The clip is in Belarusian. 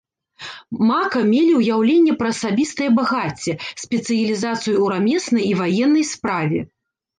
Мака мелі ўяўленне пра асабістае багацце, спецыялізацыю ў рамеснай і ваеннай справе.